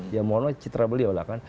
ya mohon maaf citra beliau lah kan